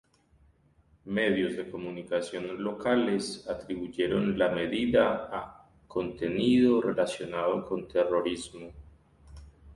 Medios de comunicación locales atribuyeron la medida a ""contenido relacionado con terrorismo"".